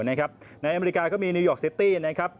ในอเมริกาก็มีนิวยอร์กซิตี้